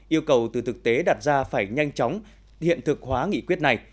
yêu cầu từ thực tế đặt ra phải nhanh chóng hiện thực hóa nghị quyết này